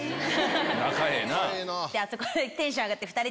仲ええなぁ。